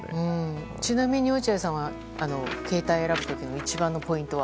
ちなみに、落合さんは携帯を選ぶ時の一番のポイントは。